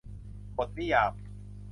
บทนิยาม